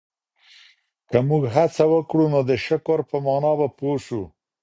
که موږ هڅه وکړو نو د شکر په مانا به پوه سو.